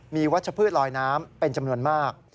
มีวัชพืชลอยน้ำเป็นจำนวนมาก